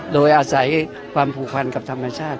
โดยอาศัยความผูกพันกับธรรมชาติ